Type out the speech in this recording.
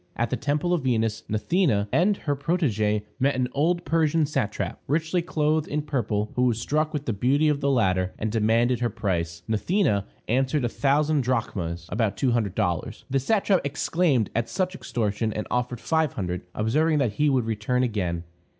At the temple of Venus, Gnathena and her protegée met an old Persian satrap, richly clothed in purple, who was struck with the beauty of the latter, and demanded her price. Gnathena answered, a thousand drachmas (about two hundred dollars). The satrap exclaimed at such extortion, and offered five hundred, observing that he would return again.